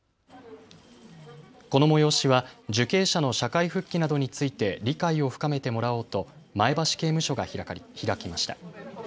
この催しは受刑者の社会復帰などについて理解を深めてもらおうと前橋刑務所が開きました。